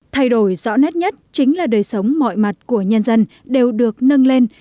thay đổi rõ nét nhất chính là đời sống mọi mặt của nhân dân đều được nâng lên